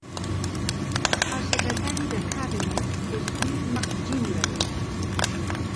El secretari de Cabinet és Bill McGinley.